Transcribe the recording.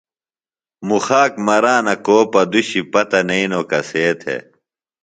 مُخاک مرانہ کُو پدُشی پتہ نئینو کسے تھے۔